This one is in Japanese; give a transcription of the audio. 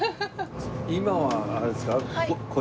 今はあれですか？